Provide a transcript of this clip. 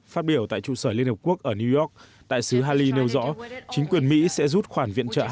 phát biểu tại trụ sở liên hợp quốc ở new york đại sứ hali nêu rõ chính quyền mỹ sẽ rút khoản viện trợ